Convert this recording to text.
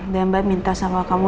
dan mbak minta sama kamu